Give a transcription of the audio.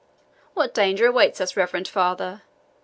What danger awaits us, reverend father?